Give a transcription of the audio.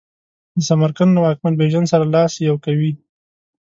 د سمرقند له واکمن بیژن سره لاس یو کوي.